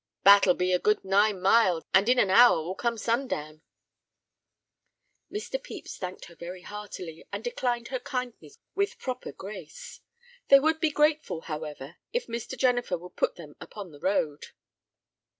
"Battle be a good nine miles, and in an hour will come sundown." Mr. Pepys thanked her very heartily, and declined her kindness with proper grace. They would be grateful, however, if Mr. Jennifer would put them upon the road.